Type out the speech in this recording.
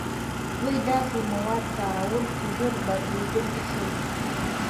دوی داسې مواد کارول چې ژر بدلیدلی شول.